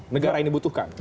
negara ini butuhkan